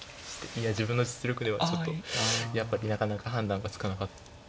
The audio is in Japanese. いや自分の実力ではちょっとやっぱりなかなか判断がつかなかったですね。